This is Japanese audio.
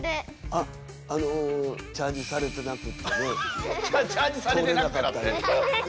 あっあのチャージされてなくってね通れなかった。